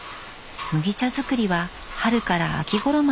麦茶作りは春から秋ごろまで続きます。